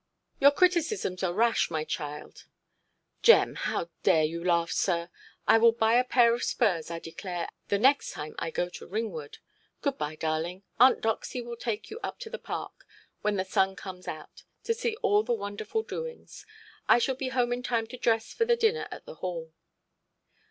"Your criticisms are rash, my child. Jem, how dare you laugh, sir? I will buy a pair of spurs, I declare, the next time I go to Ringwood. Good–bye, darling; Aunt Doxy will take you up to the park, when the sun comes out, to see all the wonderful doings. I shall be home in time to dress for the dinner at the Hall".